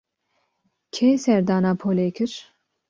Kê serdana polê kir?